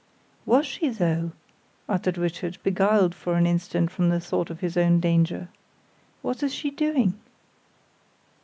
"Was she, though?" uttered Richard, beguiled for an instant from the thought of his own danger. "What is she doing?"